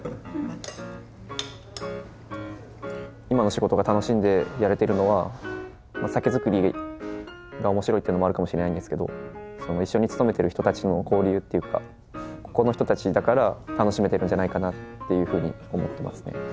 今の仕事が楽しんでやれてるのは酒造りが面白いっていうのもあるかもしれないんですけど一緒に勤めてる人たちとの交流っていうかここの人たちだから楽しめてるんじゃないかなっていうふうに思ってますね。